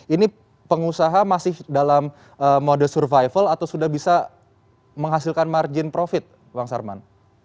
ini pengusaha masih dalam mode survival atau sudah bisa menghasilkan margin profit bang sarman